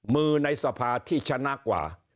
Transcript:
ในสภาที่ชนะกว่า